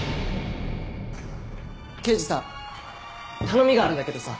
刑事さん頼みがあるんだけどさ。